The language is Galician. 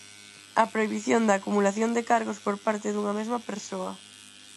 A prohibición da acumulación de cargos por parte dunha mesma persoa.